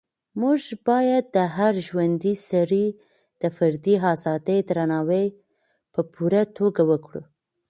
موږ باید د هر ژوندي سري د فردي ازادۍ درناوی په پوره توګه وکړو.